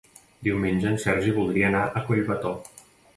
Diumenge en Sergi voldria anar a Collbató.